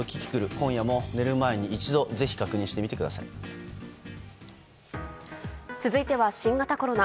今夜も寝る前に続いては新型コロナ。